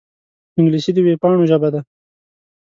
انګلیسي د وېبپاڼو ژبه ده